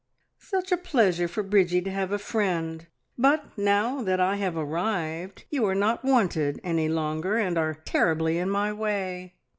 "Such a pleasure for Bridgie to have a friend." "But now that I have arrived, you are not wanted any longer, and are terribly in my way!"